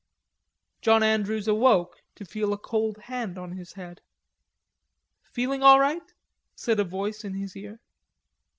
John Andrews awoke to feel a cold hand on his head. "Feeling all right?" said a voice in his ear.